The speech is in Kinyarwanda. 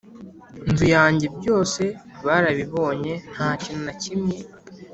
nzu yanjye byose barabibonye Nta kintu na kimwe